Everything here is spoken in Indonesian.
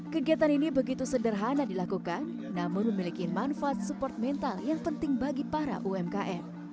kegiatan ini begitu sederhana dilakukan namun memiliki manfaat support mental yang penting bagi para umkm